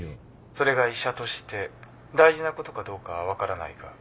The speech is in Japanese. それが医者として大事なことかどうかは分からないが。